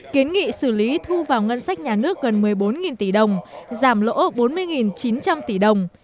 kiến nghị xử lý thu vào ngân sách nhà nước gần một mươi bốn tỷ đồng giảm lỗ bốn mươi chín trăm linh tỷ đồng